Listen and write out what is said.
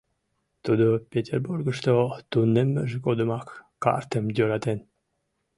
Тудо Петербургышто тунеммыж годымак картым йӧратен.